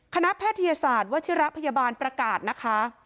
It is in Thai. แพทยศาสตร์วัชิระพยาบาลประกาศนะคะ